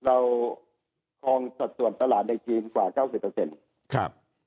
เราคงสะสวนตลาดในชีนกว่า๙๐